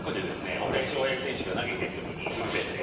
大谷翔平選手が投げてる時にブルペンで。